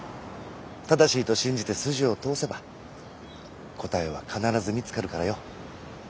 正しいと信じて筋を通せば答えは必ず見つかるからよ。